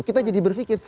kita jadi berpikir